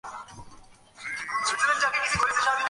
তুমি দরজা আটকে ফেলেছো!